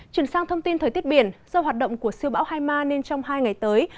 chuyển sang thông tin thời tiết biển do hoạt động của siêu bão hai ma nên trong hai ngày tới